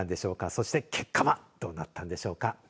そして結果はどうなったんでしょうか。